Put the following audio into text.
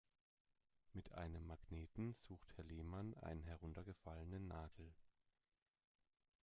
Mit einem Magneten sucht Herr Lehmann einen heruntergefallenen Nagel.